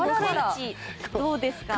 どうですか？